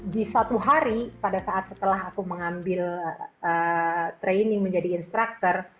di suatu hari pada saat setelah aku mengambil training menjadi instructor